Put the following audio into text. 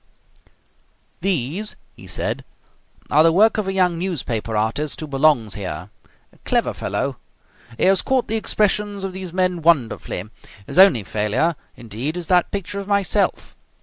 "These," he said, "are the work of a young newspaper artist who belongs here. A clever fellow. He has caught the expressions of these men wonderfully. His only failure, indeed, is that picture of myself."